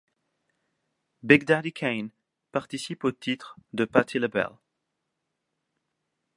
Big Daddy Kane participe au titre ' de Patti Labelle.